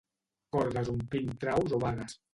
Cordes omplint traus o bagues.